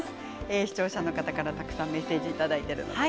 視聴者の方からたくさんメッセージいただいています。